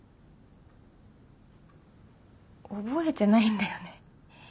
覚えてないんだよね。